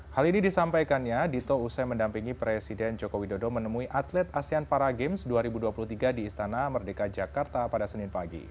hal ini disampaikannya dito usai mendampingi presiden joko widodo menemui atlet asean para games dua ribu dua puluh tiga di istana merdeka jakarta pada senin pagi